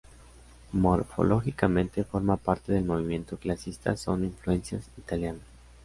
Morfológicamente forma parte del movimiento clasicista con influencias italianas.